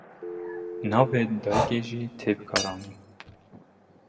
Navê dayikê jî tê bikaranîn.